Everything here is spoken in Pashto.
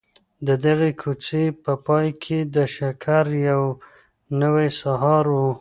د دغي کوڅې په پای کي د شکر یو نوی سهار و.